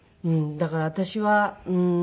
だから私はうーん。